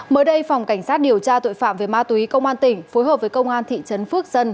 mới đây phòng cảnh sát điều tra tội phạm về ma túy công an tỉnh phối hợp với công an thị trấn phước sơn